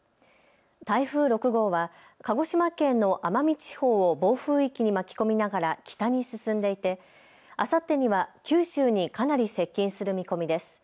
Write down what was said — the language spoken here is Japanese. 台風６号は鹿児島県の奄美地方を暴風域に巻き込みながら北に進んでいて、あさってには九州にかなり接近する見込みです。